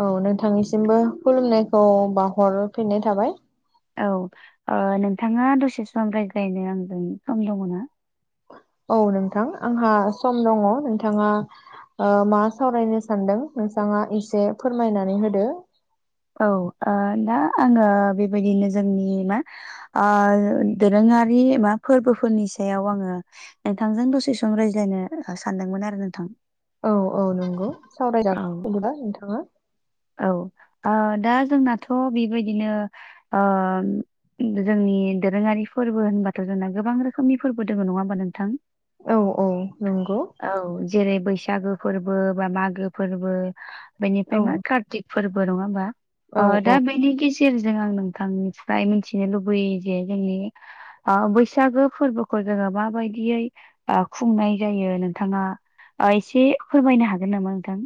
औ नोंथांनिसिमबो खुलुमनायखौ बावाहरफिननाय थाबाय। औ ओ नोंथाङा दसे सम रायज्लायनो आंजों सम दङ ना? औ नोंथां आंहा सम दङ नोंथाङा ओ मा सावरायनो सानदों नोंथाङा एसे फोरमायनानै होदो। औ ओ दा आङो बेबायदिनो जोंनि मा ओ दोरोङारि बा फोरबोफोरनि सायाव आङो नोंथांजों दसे सम रायज्लायनो सानदोंमोन आरो नोंथां। औ औ नंगौ सावरायजा औ [inaudible] बिदिबा नोंथाङा औ ओ दा जोंनाथ' बेबायदिनो ओ जोंनि दोरोङारि फोरबो होनबाथ' जोंना गोबां रोखोमनि फोरबो दोङो नङा होमबा नोंथां। औ औ नंगौ औ जेरै- बैसागो फोरबो बा मागो फोरबो बेनिफ्राय औ मा कार्तिक फोर बो नङा होनबा औ ओ औ दा बेनि गिस सेरजों आं नोंथांनिफ्राय मिथिनो लुबैयो जे जोंनि ओ बैसागो फोरबोखौ जोङो माबायदियै ओ खुंनाय जायो नोंथाङा ओ एसे फोरमायनो हागोन नामा नोंथां?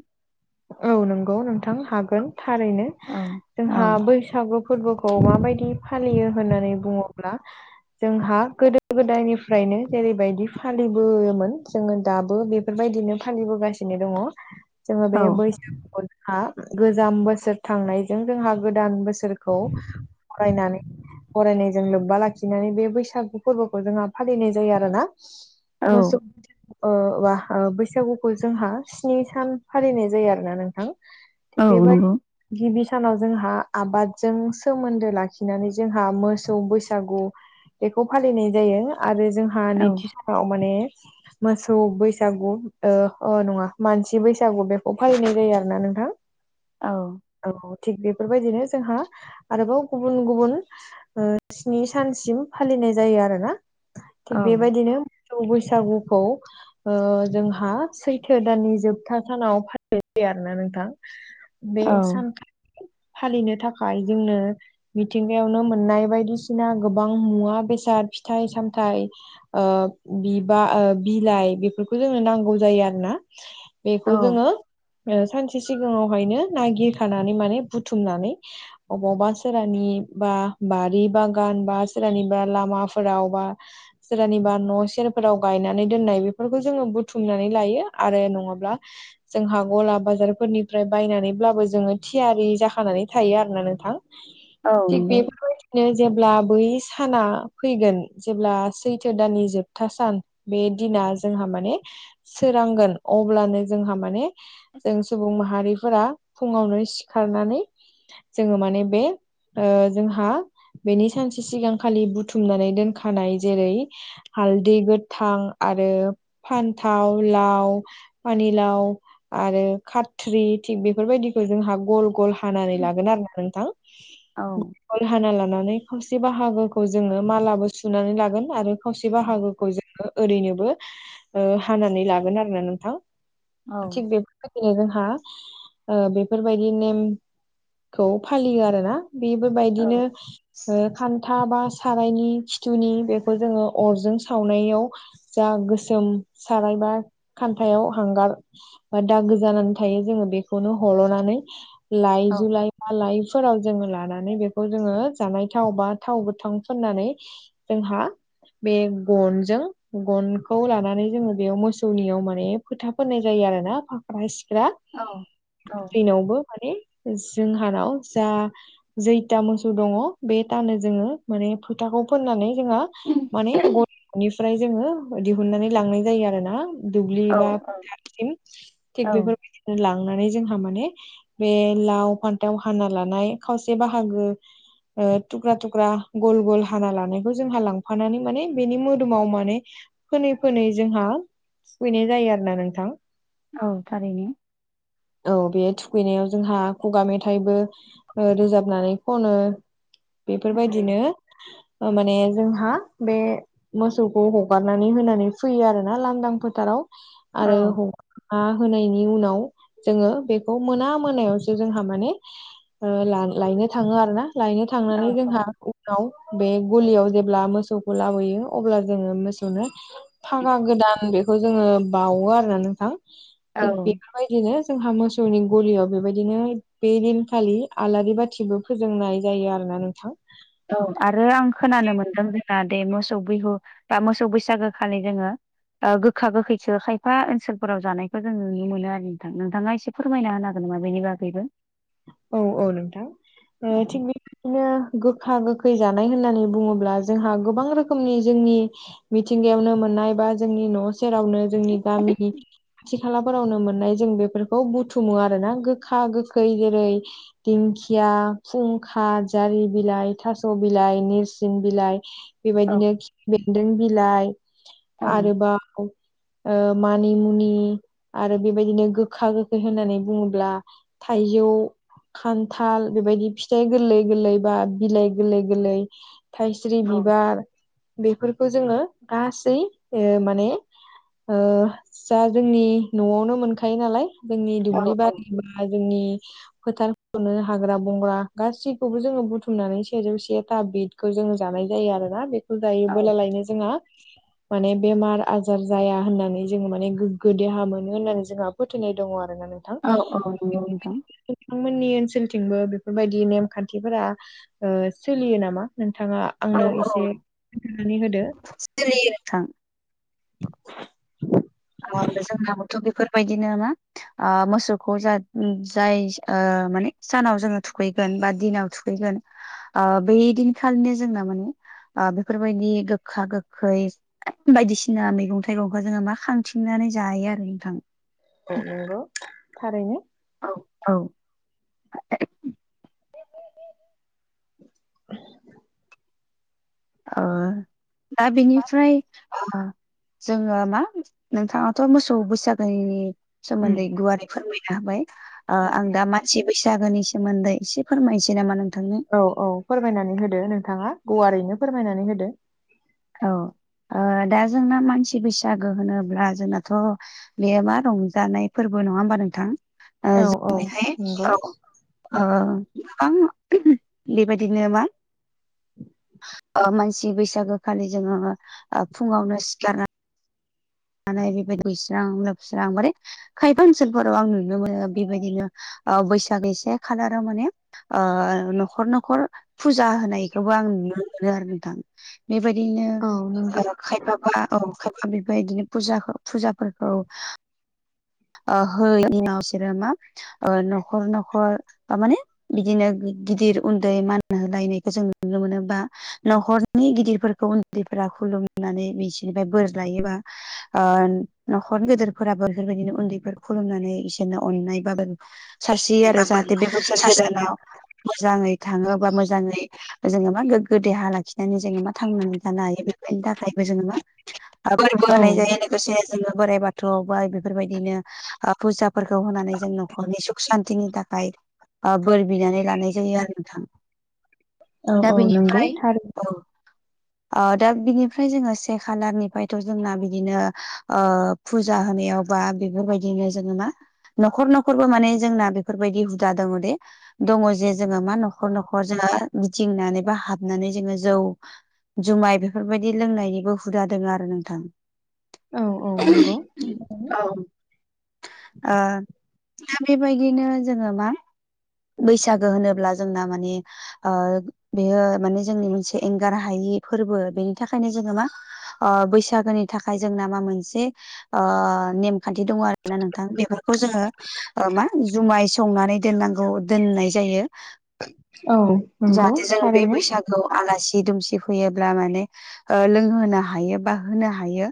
औ नंगौ नोंथां हागोन थारैनो औ औ जोंहा बैसागु फोरबोखौ माबायदि फालियो होननानै बुङो ब्ला जोंहा गोदो गोदायनिफ्रायनो जेरैबायदि फालिबोयोमोन जोङो दाबो बे बेफोरबायदिनो फालिबोगासिनो दङ जोङो बे बैसागुखौ जोंहा गोजाम बोसोर थांनायजों जोंहा गोदान बोसोर खौ बरायनानै बरायनायजों लोब्बा लाखिनानै बे बैसागु फोरबोखौ जोंहा फालिनाय जायो आरो ना। औ मोसौ ओ ओ बैसागुखौ जोंहा स्नि सान फालिनाय जायो आरोना नोंथां औ थिग बेबाय नंगौ गिबि सानाव जोंहा आबादजों सोमोन्दो लाखिनानै जोंहा मोसौ बैसागु बेखौ फालिनाय जायो आरो जोंहा हा औ नैथि सानाव माने मोसौ बैसागु ओ अ नङा मानसि बैसा बैसागु बेखौ फालिनाय जायो आरो ना नोंथां। औ। औ थिग बेफोरबायदिनो जोंहा आरोबाव गुबुन गुबुन ओ स्नि सानसिम फालिनाय जायो आरोना थिग औ बेबायदिनो सौ बैसागुखौ ओ जोंहा सैथो दाननि जोब था सानाव फालिनाय जायो आरोना नोंथां बे औ सान फालिनो थाखाय जोंनो मिथिंगायावनो मोननाय बायदिसिना गोबां मुवा बेसाद फिथाइ सामथाइ ओ बिबा ओ बिलाइ बेफोरखौ जोंनो नांगौ जायो आरो ना औ बेखौ जोङो ओ सानसे सिगाङावहायनो नागिरखानानै माने बुथुमनानै अबावबा सोरहानि बा बारि बागान बा सोरहानिबा लामाफोराव बा सोरहानिबा न' सेरफोराव गायनानै दोननाय बेफोरखौ जोङो बुथुमनानै लायो आरो नङाब्ला [inaudible] जोंहा गला बाजारफोरनिफ्राय बायनानैब्लाबो जोङो थियारि जाखानानै थायो आरोना नोंथां [inaudible] थिग नंगौ [unintelligible] नो जेब्ला बै साना फैगोन जेब्ला सैथो दाननि जोबथा सान बे दिना जोंहा माने सोरांगोन अब्लानो जोंहा माने जों सुबुं माहारिफोरा फुङावनो सिखारनानै जोङो माने बे ओ जोंहा बेनि सानसे सिगांखालि बुथुमनानै दोनखानाय जेरै- हालदै गोथां आरो फान्थाव लाव पानिलाव आरो खाथ्रि थिग बेफोरबायदिखौ जोंहा गल गल हानानै लागोन आरो ना नोंथां औ गल हाना लानानै खावसे बाहागोखौ जोङो मालाबो सुनानै लागोन आरो खावसे औ बाहागोखौ जोङो ओरैनोबो ओ हानानै लागोन आरो ना नोंथां औ थिग बे बायदिनो जोंहा ओ बेफोरबायदि नेमखौ फालियो आरो ना बेफोरबायदिनो ओ खान था बा सारायनि खिथुनि बेखौ जोङो अरजों सावनायाव जा गोसोम सारायबा खान्थायाव हांगार बा दागो जानानै थायो जोङो बेखौनो हल'नानै लाइ जु औ लाइ मालायफोराव जोङो लानानै बेखौ जोङो जानाय थाव बा थाव गोथाव फोननानै जोंहा बे गनजों गनखौ लानानै जोङो बेयाव मोसौनियाव माने खोथा फोननाय जायो आरो ना फाग्रा सिख्रा औ औ दैैनावबो माने जोंहानाव जा जैथा मोसौ दङ बे थानो जोङो माने फोथाखौ फोननानै जोंहा माने औ गथ'निफ्राय जोङो दिहुननानै लांनाय जायो आरो ना दुब्लि औ बा फोथारसिम औ थिग बेफोरबायदिनो लांनानै जोंहा माने बे लाव फान्थाव हाना लानाय खावसे बाहागो ओं थुख्रा थुख्रा गल गल हाना लानायखौ जोंहा लांफानानै माने बेनि मोदोमाव माने फोनै फोनै जोंहा थुखैनाय जायो आरो ना नोंथां औ थारैनो। औ बे थुखैनायाव जोंहा खुगा मेथाइबो ओ रोजाबनानै खनो बेफोरबायदिनो माने जोंहा बे मोसौखौ हगारनानै होनानै फैयो आरो ना लांदां फोथाराव औ आरो हगार हा होनायनि उनाव जोङो बेखौ मोना मोनायावसो जोंहा माने ओ लायनो थाङो आरो ना लायनो थांनानै जोंहा उनाव बे गुलियाव जेब्ला मोसौखौ लाबोयो अब्ला जोङो मोसौनो फागा गोदान बेखौ जोङो बावो आरोना नोंथां औ थिग बे बेबायदिनो जोंहा मोसौनि गलियाव बेबायदिनो बे दिनखालि आलारि बाथिबो फोजोंनाय जायो आरोना नोंथां औ आरो आं खोनानो मोनदों जोंहा दे मोसौ बिहु बा मोसौ बैसागो खालि जोङो ओ गोखा गोखैसो खायफा ओनसोलफोराव जानायखौ जों नुनो मोनो आरो नोंथां नोंथाङा एसे फोरमायना होनो हागोन नामा बेनि बागैबो औ औ नोंथां ओं औ थिग बिदिनो गोखा गोखै जानाय होननानै बुङोब्ला जोंहा गोबां रोखोमनि जोंनि मिथिंगायावनो मोननाय बा जोंनि न' सेरावनो जोंनि गामि खाथि खालाफोरावनो मोननाय जों बेफोरखौ बुथुमो आरो ना गोखा गोखै जेरै दिंखिया खुंखा जारि बिलाइ थास' बिलाइ नेरसिं बिलाइ औ बेबायदिनो बेन्दों बिलाइ आरोबाव ओ मानि मुनि आरो बेबायदिनो गोखा गोखै होननानै बुङोब्ला थाइजौ खान्थाल बेबायदि फिथाइ गोरलै गोरलै बा बिलाइ गोरलै गोरलै थाइस्रि बिबार बेफोरखौ जोङो गासै ओ माने ओ जा जोंनि न'आवनो मोनखायो नालाय जोंनि औ दुब्लि बारि बा जोंनि फोथार खनो हाग्रा बंग्रा गासैखौबो जोङो बुथुमनानै सेजौ सेथा बिद बेखौ जोङो जानाय जायो आरो ना बेखौ जायोबोला लायनो जोंहा माने बेमार आजार जाया होननानै जोङो माने गोग्गो देहा मोनो होननानै जोंहा फोथायनाय दङ आरो माने नों औ औ नंगौ नोंथां नोंथांमोननि ओनसोलथिंबो बेफोरबायदि नेमखान्थिफोरा ओ सोलियो नामा नोंथाङा औ आंनो एसे खोनथानानै होदो सोलियो नोंथां आरो जोंनाबोथ' बेफोरबायदिनो मा ओ मोसौखौ जाय ओ माने सानाव जोङो थुखैगोन बा दिनाव थुखै फैगोन बे दिनखालिनो जोंना माने आ बेफोरबायदि गोखा गोखै बायदिसिना मैगं थाइगंखा जोङो मा खा थिंनानै जायो आरो नोंथां औ नोंगौ थारैनो औ औ [unintelligible] ओ दा बेनिफ्राय ओ जोङो मा नोंथाङाथ' मोसौ बैसागोनि सोमोन्दै गुवारै फोरमायनो हाबाय आ आं दा मानसि बैसागोनि सोमोन्दै एसे फोरमायनोसै नामा नोंथांनो औ औ फोरमायनानै होदो नोंथाङा गुवारैनो फोरमायनानै होदो औ आ दा जोंना मानसि बैसागो होनोब्ला जोंनाथ' बेयो मा रंजानाय फोरबो नङा होमबा नोंथां औ औ बेहाय नोंगौ औ ओ औ आं [unintelligible] बेबायदिनो मा ओ मानसि बैसागोखालि जोङो ओ फुङावनो सिखारना मानाय [unintelligible] गुइस्रां लोबस्रां बोरै खायफा ओनसोलफोराव आं नुनो मोनो बेबायदिनो ओ बैसागनि से खालाराव माने आ न'खर न'खर फुजा होनायखौबो आं नुनो मोनो आरो नोंथां बेबायदिनो औ नंगौ [unintelligible] खायफाबा औ खायफा बेबायदिनो फुजा ख फुजाफोरखौ [inaudible] ओ होयैनिनाव बिसोरो मा आ न'खर न'खर बा माने बिदिनो गिदिर उन्दै मान होलायनायखौ जों नुनो मोनो बा न'खरनि गिदिरफोरखौ उन्दैफोरा खुलुमनानै बिसिनिफाय बोर लायोबा आ न'खरनि गेदेरफोराबो बेफोरबायदिनो उन्दैफोर खुलुमनानै इसोरनो अननाय बाबो सारस्रियो आरो जाहाथे बे बोसोर गोदानाव मोजाङै थाङो बा मोजाङै जोङो बा गोग्गो देहा लाखिनानै जोङबा थांनानै थानो हायो बे बेनि थाखायबो जोङो मा फोरबो औ होनाय जायो लोगोसे जोङो बोराइ बाथौआवबो बेफोरबायदिनो ओ फुजाफोरखौ होनानै जों न'खरनि सुख सान्तिनि थाखाय ओ बोर बिनानै लानाय जायो आरो नोंथां औ दा औ नंगौ बिनिफ्राय थारै औ आ दा बिनिफ्राय जोङो से खालारनिफ्रायथ' जोंना बिदिनो ओ फुजा होनायाव बा बेफोरबायदिनो जोङो मा न'खर न'खरबो माने जोंना बेफोरबायदि हुदा दङ दे दङ जे जोङो मा न'खर न'खर जोङो गिदिंनानै बा हाबनानै जोङो जौ जुमाय बेफोरबायदि लोंनायनिबो हुदा दोङ आरो नोंथां औ औ नंगौ [unintelligible] औ आ दा बेबायदिनो जोङो मा बैसागो होनोब्ला जोंना माने आ बेयो माने जोंनि मोनसे एंगार हायि फोरबो बेनि थाखायनो जोङो मा आ बैसागोनि थाखाय जोंना मा मोनसे आ नेमखान्थि दङ आरोना नोंथां बेफोरखौ जोङो ओ मा जुमाय सो संनानै दोननांगौ दोननाय जायो [unintelligible] औ नंगौ जाहाथे जों बे थारैनो बैसाग औ आलासि दुमसि फैयोब्ला माने ओ लोंहोनो हायो बा होनो हायो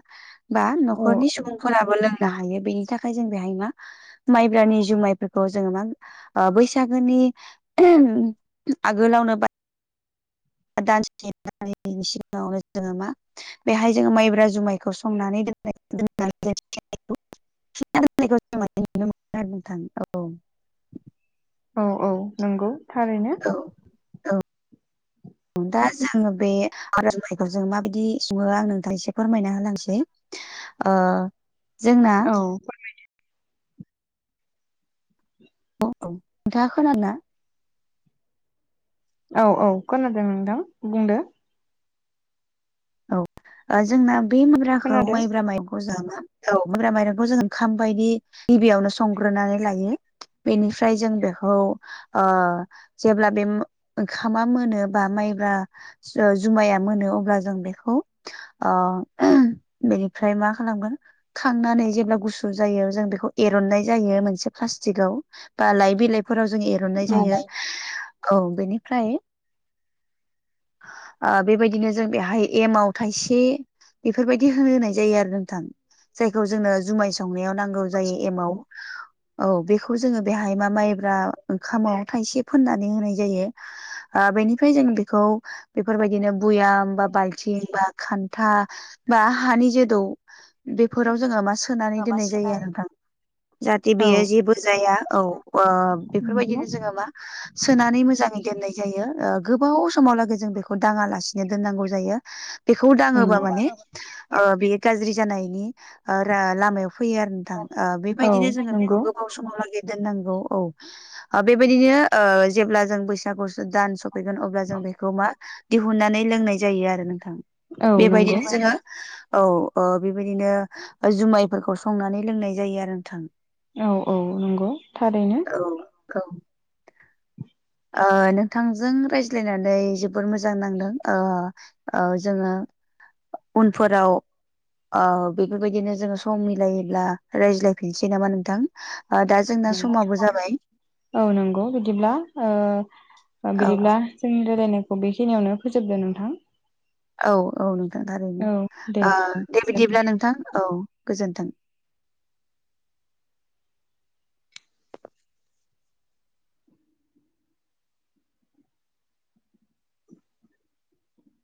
बा औ न'खरनि सुबुंफोराबो लोंनो हायो बेनि थाखाय जों बेहाय मा माइब्रानि जुमाइफोरखौ जोङो मा ओ बैसागोनि [unintelligible] आगोलावनो बाय [unintelligible] सिगाङावनो जोङो मा बेहाय जोङो माइब्रा जुमायखौ संनानै दोन्नाय [unintelligible] [unintelligible] आरो नोंथां औ औ औ नोंगौ थारैनो। औ औ उम। दा जोङो बे आर' [unintelligible] नाइखौ जों माबायदि सङो आं नोंथा [unintelligible] एसे फोरमायना होलांसै। ओ जोंना औ। औ नोंथांङा खोनादोंना? औ औ खोनादों नोंथां बुंदो। औ जोंना ओ बे माइब्राखौ खोनादों माइब्रा माइरं [unintelligible] औ माइब्रा माइरंखौ जों ओंखाम बायदि गिबियावनो संग्रोनानै लायो। बेनिफ्राय जों बेखौ ओ जेब्ला बे ओंखामा मोनोबा माइब्रा ओ जुमाया मोनो अब्ला जों बे खौ ओ बेनिफ्राय मा खालामगोन खांनानै जेब्ला गुसु जायो जों बेखौ एर'ननाय जायो मोनसे प्लास्टिकआव। बा लाइ बिलाइफोराव जों एर'ननाय उम जायो। औ बेनिफ्राय ओ बेबायदिनो जों बेहाय एमाव थाइसे बेफोरबायदि होनो होनाय जायो आरो नोंथां। जायखौ जोंनो जुमाय संनायाव नांगौ जायो एमाव। औ बेखौ जोङो बेहाय मा माइब्रा ओंखामाव थाइसे फोननानै होनाय जायो। ओ बेनिफ्राय जों बेखौ बेफोरबायदिनो बुयाम बा बाल थिं बा खान्था बा हानि जे दौ बेफोराव जोंङो मा सोनानै दोननाय जायो आरो नोंथां। जाहाथे औ बेयो जेबो जाया। औ ओ नंगौ बेफोरबायदिनो जोङो मा सोनानै मोजाङै दोननाय जायो। ओ गोबाव समावलागै जों बेखौ दाङालासिनो दोननांगौ जायो। बेखौ उम दाङोबा औ माने नंगौ बेयो गाज्रि जानायनि ओ रा लामायाव फैयो आरो। थां ओ बेबायदिनो जोङो बेखौ गोबाव समालागै दोननांगौ औ। ओ बेबायदिनो जेब्ला जों बैसागु स दान स फैगोन अब्ला जों बेखौ मा दिहुननानै लोंनाय जायो आरो नोंथां। औ नंगौ बेबायदिनो जोङो औ ओ बेबायदिनो जुमायफोरखौ संनानै लोंनाय जायो आरो नोंथां। औ औ नोंगौ थारैनो। औ। ओ नोंथांजों रायज्लायनानै जोबोर मोजां नांदों ओ औ जोङो उनफोराव औ बेफोरबायदिनो जोङो सम मिलायोब्ला रायज्लायफिनसै नामा नोंथां। ओ दा जोंना समाबो जाबाय। औ नोंगौ ओ बिदिब्ला औ बिदिब्ला जोंनि रायलायनायखौ बेखिनियावनो फोजोबदो नोंथां। औ औ नोंथां थारैनो। औ दे ओ दे गोजोन बिदिब्ला नोंथां औ गोजोन्थों।